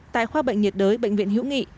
tại khoa bệnh nhiệt đới bệnh viện hiễu nghị